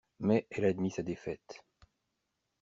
Mais elle admit sa défaite.